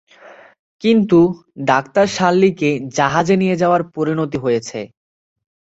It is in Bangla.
কিন্তু, ডাক্তার শার্লিকে জাহাজে নিয়ে যাওয়ার পরিণতি রয়েছে।